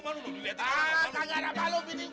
gak ada malu bini